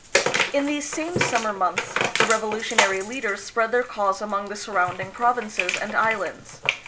In these same summer months the revolutionary leaders spread their cause among the surrounding provinces and islands.